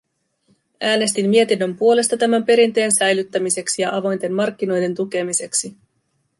Äänestin mietinnön puolesta tämän perinteen säilyttämiseksi ja avointen markkinoiden tukemiseksi.